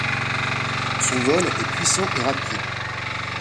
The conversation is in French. Son vol est puissant et rapide.